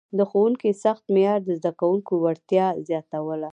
د ښوونکي سخت معیار د زده کوونکو وړتیا زیاتوله.